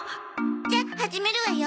じゃあ始めるわよ。